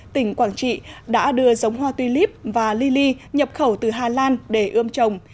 tỉnh quảng trị đã đưa giống hoa tuy líp và lili nhập khẩu từ hà lan để ươm trồng